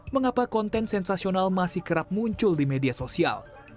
mengapa konten sensasional masih kerap muncul di media sosial